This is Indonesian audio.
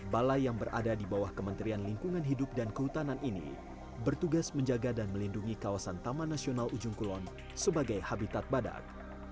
balai yang berada di bawah kementerian lingkungan hidup dan kehutanan ini bertugas menjaga dan melindungi kawasan taman nasional ujung kulon sebagai habitat badak